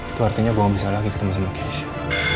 itu artinya gue gak bisa lagi ketemu sama keisha